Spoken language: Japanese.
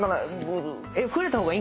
触れた方がいいんかな？